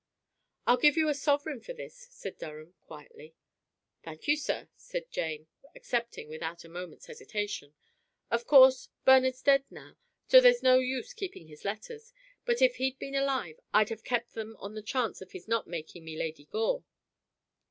"I'll give you a sovereign for this," said Durham, quietly. "Thank you, sir," said Jane, accepting without a moment's hesitation. "Of course, Bernard's dead now, so there's no use keeping his letters, but if he'd been alive I'd have kept them on the chance of his not making me Lady Gore!"